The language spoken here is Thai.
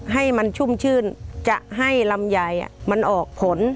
ให้มันชุ่มชื่นจะให้ลำไยมันออกผล